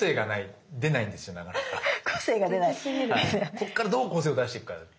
こっからどう個性を出していくか。